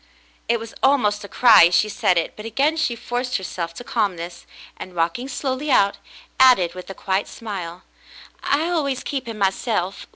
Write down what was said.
It was almost a cry, as she said it, but again she forced herself to calmness, and, walking slowly out, added, with a quiet smile: "I always keep him myself.